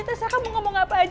terserah kamu ngomong apa aja